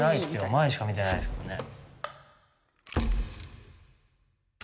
前しか見てないですからね。